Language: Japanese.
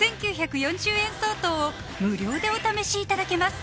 ５９４０円相当を無料でお試しいただけます